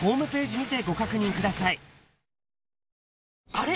あれ？